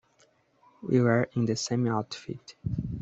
We were in the same outfit.